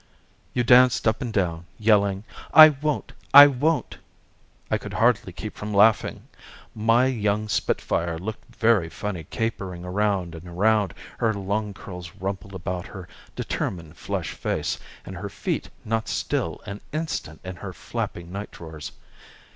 You danced up and down, yelling, 'I won't. I won't.' I could hardly keep from laughing. My young spitfire looked very funny capering around and around, her long curls rumpled about her determined, flushed face, and her feet not still an instant in her flapping night drawers.